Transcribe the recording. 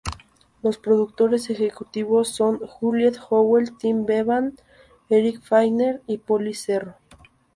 Los productores ejecutivos son Juliette Howell, Tim Bevan, Eric Fellner, y Polly Cerro.